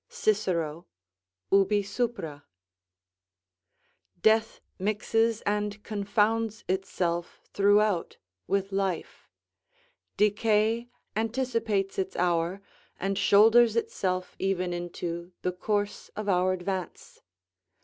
Cicero, ubi sup.] Death mixes and confounds itself throughout with life; decay anticipates its hour, and shoulders itself even into the course of our advance.